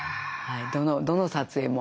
どの撮影も。